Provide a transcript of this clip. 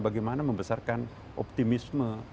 bagaimana membesarkan optimisme